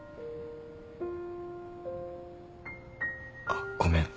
あっごめん。